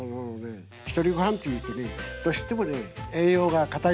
ひとりごはんっていうとねどうしても栄養が偏りやすい。